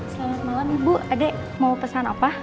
selamat malam ibu ade mau pesan apa